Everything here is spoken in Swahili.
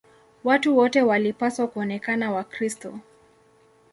Watu wote walipaswa kuonekana Wakristo.